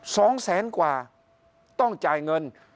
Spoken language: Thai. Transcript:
สองแสนกว่าต้องจ่ายเงิน